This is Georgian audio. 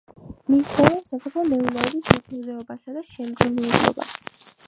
მისდევენ სოფლის მეურნეობას, მეთევზეობას და შემგროვებლობას.